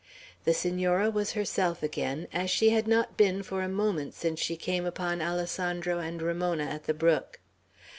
The Senora was herself again, as she had not been for a moment since she came upon Alessandro and Ramona at the brook.